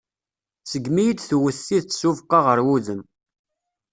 Segmi iyi-d-tewwet tidet s ubeqqa ɣer wudem.